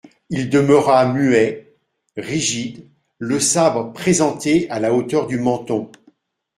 Il demeura muet, rigide, le sabre présenté à la hauteur du menton.